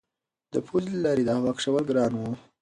د پوزې له لارې یې د هوا کشول ګران وو.